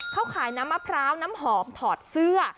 เขาขายน้ำมะพร้าวน้ำหอมถอดเสื้อ